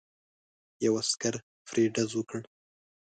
یو عسکر پرې ډز وکړ.